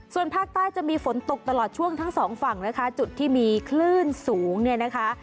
ส่วนภาคใต้จะมีฝนตกตลอดช่วงทั้งสองฝั่งนะคะจุดที่มีคลื่นสูงเนี่ยนะคะ